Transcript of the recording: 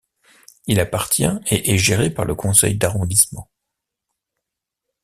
Il appartient et est géré par le conseil d'arrondissement.